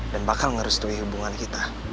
dan bakal ngerestui hubungan kita